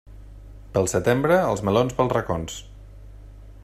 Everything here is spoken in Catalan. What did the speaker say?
Pel setembre, els melons pels racons.